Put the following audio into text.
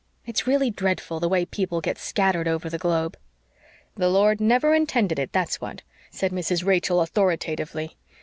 It's really dreadful the way people get scattered over the globe." "The Lord never intended it, that's what," said Mrs. Rachel authoritatively.